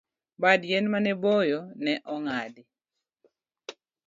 Bad yien mane boyo ne ong'adi